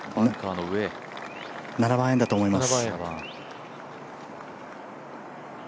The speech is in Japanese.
７番アイアンだと思います。